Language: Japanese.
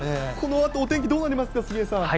このあとお天気どうなりますか、杉江さん。